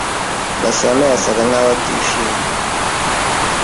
Gasanayasaga nkaho atishimye.